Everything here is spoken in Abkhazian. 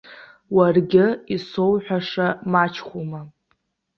Уаргьы исоуҳәаша мачхәума!